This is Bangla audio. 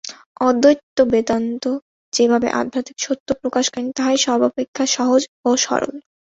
অদ্বৈত বেদান্ত যেভাবে আধ্যাত্মিক সত্য প্রকাশ করেন, তাহাই সর্বাপেক্ষা সহজ ও সরল।